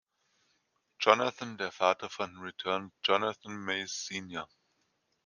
Jonathan, der Vater von Return Jonathan Meigs Sr.